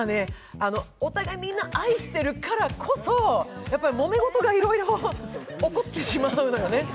お互いみんな愛してるからこそ、もめ事がいろいろ起こってしまうのよね。